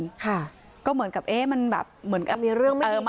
ค่ะก็เหมือนกับเอ๊ะมันแบบเหมือนกับมีเรื่องไม่เจอมา